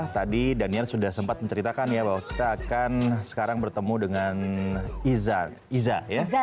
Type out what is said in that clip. tadi daniel sudah sempat menceritakan ya bahwa kita akan sekarang bertemu dengan iza ya